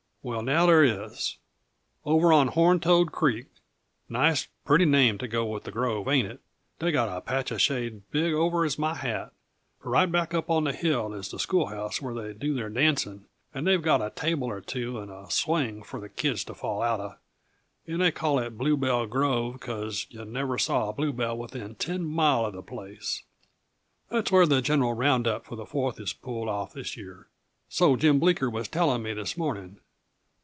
Well now, there is. Over on Horned Toad Creek nice, pretty name to go with the grove, ain't it? they've got a patch uh shade big over as my hat. Right back up on the hill is the schoolhouse where they do their dancing, and they've got a table or two and a swing for the kids to fall outa and they call it Bluebell Grove because yuh never saw a bluebell within ten mile uh the place. That's where the general round up for the Fourth is pulled off this year so Jim Bleeker was telling me this morning.